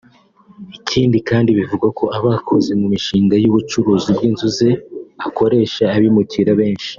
Ikindi kandi bivugwa ko abakoze mu mu mishinga y’ubucuruzi bw’inzu ze akoresha abimukira benshi